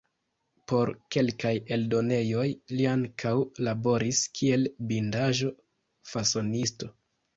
Por kelkaj eldonejoj li ankaŭ laboris kiel bindaĵo-fasonisto.